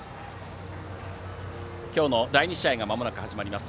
今日の第２試合がまもなく始まります。